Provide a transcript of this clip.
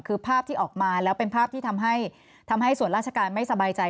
คือภาพที่ออกมาแล้วเป็นภาพที่ทำให้ส่วนราชการไม่สบายใจ